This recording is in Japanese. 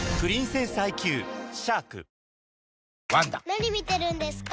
・何見てるんですか？